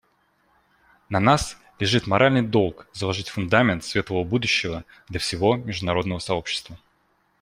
На нас лежит моральный долг заложить фундамент светлого будущего для всего международного сообщества.